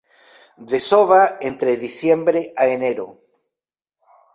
Desova entre diciembre a enero.